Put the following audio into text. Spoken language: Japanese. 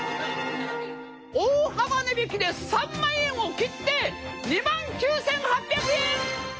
大幅値引きで３万円を切って２万９，８００円！